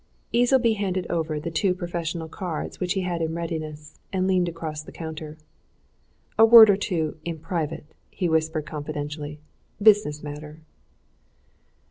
Easleby handed over the two professional cards which he had in readiness, and leaned across the counter. "A word or two in private," he whispered confidentially. "Business matter."